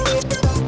wah keren banget